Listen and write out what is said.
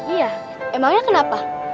iya emangnya kenapa